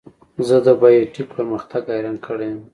زه د بایو ټیک پرمختګ حیران کړی یم.